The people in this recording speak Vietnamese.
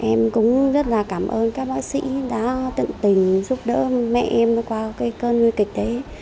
em cũng rất là cảm ơn các bác sĩ đã tận tình giúp đỡ mẹ em qua cái cơn nguy kịch đấy